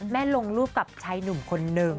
ลงรูปกับชายหนุ่มคนนึง